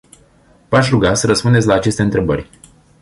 V-aș ruga să răspundeți la aceste întrebări.